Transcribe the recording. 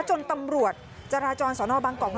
จนตำรวจจราจรสนบางกอก